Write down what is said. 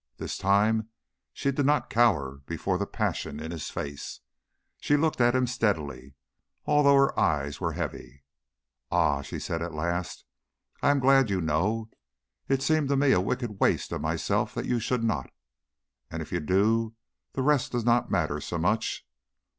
This time she did not cower before the passion in his face. She looked at him steadily, although her eyes were heavy. "Ah!" she said at last. "I am glad you know. It seemed to me a wicked waste of myself that you should not. And if you do the rest does not matter so much.